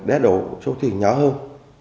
đá độ số tiền nhỏ hơn